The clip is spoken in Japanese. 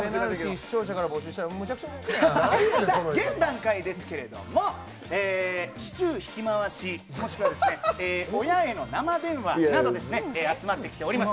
視聴者から募集したらむちゃさあ、現段階ですけれども、市中引き回し、もしくは親への生電話など、集まってきております。